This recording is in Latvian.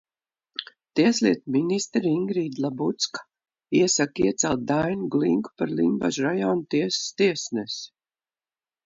Tieslietu ministre Ingrīda Labucka iesaka iecelt Dainu Glinku par Limbažu rajona tiesas tiesnesi.